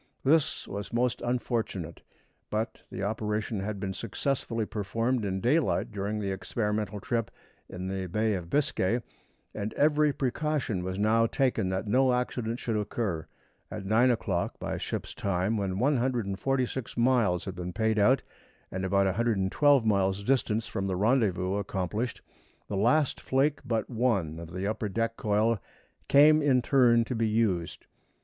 This was most unfortunate; but the operation had been successfully performed in daylight during the experimental trip in the Bay of Biscay, and every precaution was now taken that no accident should occur. At nine o'clock by ship's time, when 146 miles had been paid out and about 112 miles' distance from the rendezvous accomplished, the last flake but one of the upper deck coil came in turn to be used.